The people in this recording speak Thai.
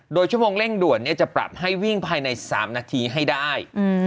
โดยชั่วโมงเร่งด่วนจะปรับให้วิ่งภายใน๓นาทีให้ได้